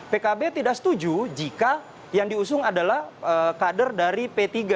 pkb tidak setuju jika yang diusung adalah kader dari p tiga